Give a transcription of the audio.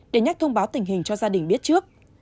để nhắc thông báo tình hình cho gia đình biết trước